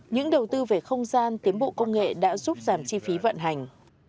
những đầu tư về không gian tiến bộ công nghệ đã giúp giảm chi phí vận hành